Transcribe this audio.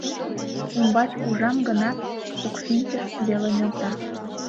Умбач ужам гынат, укшинчыш веле нӧлта.